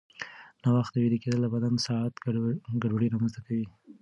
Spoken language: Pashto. ناوخته ویده کېدل د بدني ساعت ګډوډي رامنځته کوي.